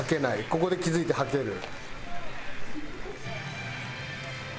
「ここで気付いてはける」